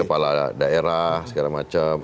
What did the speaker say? kepala daerah segala macam